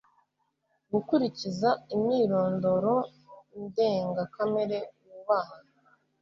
Gukurikiza imyirondoro ndengakamere wubaha